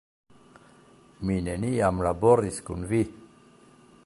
Mi neniam laboris kun vi!